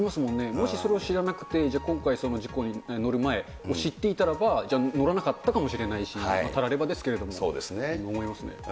もしそれを知らなくて、じゃあ、今回、事故に、乗る前、知っていたらば、じゃあ乗らなかったかもしれないし、タラレバですけれども、思いますね。